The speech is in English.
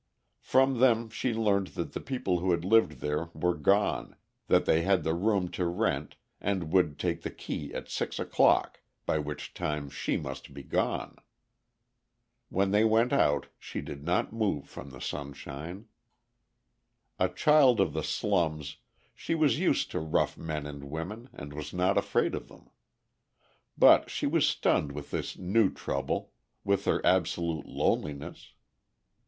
From them she learned that the people who had lived there were gone, that they had the room to rent, and would take the key at six o'clock, by which time she must be gone. When they went out, she did not move from the sunshine. A child of the slums, she was used to rough men and women, and was not afraid of them. But she was stunned with this new trouble—with her absolute loneliness.